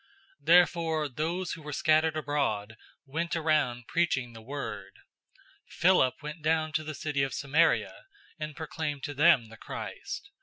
008:004 Therefore those who were scattered abroad went around preaching the word. 008:005 Philip went down to the city of Samaria, and proclaimed to them the Christ.